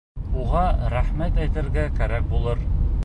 — Уға рәхмәт әйтергә кәрәк булыр.